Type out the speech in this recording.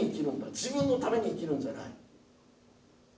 自分のために生きるんじゃない。